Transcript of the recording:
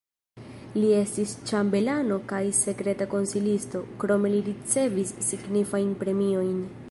Li estis ĉambelano kaj sekreta konsilisto, krome li ricevis signifajn premiojn.